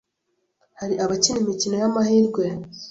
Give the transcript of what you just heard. Hari abakina imikino y’amahirwe